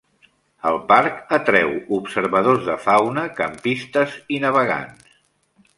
El parc atreu observadors de fauna, campistes i navegants.